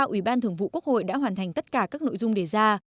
ủy ban thường vụ quốc hội đã hoàn thành tất cả các nội dung đề ra